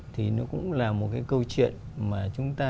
thì nó cũng là một cái câu chuyện mà chúng ta